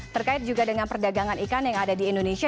terkait juga dengan perdagangan ikan yang ada di indonesia